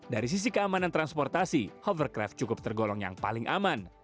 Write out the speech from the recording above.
dari sisi keamanan transportasi hovercraft cukup tergolong yang paling aman